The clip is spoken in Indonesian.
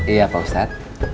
iya pak ustadz